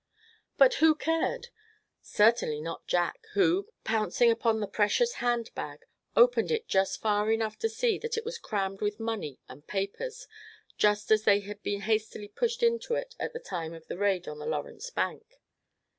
But who cared? Certainly not Jack, who, pouncing upon the precious hand bag, opened it just far enough to see that it was crammed with money and papers, just as they had been hastily pushed into it at the time of the raid on the Lawrence bank.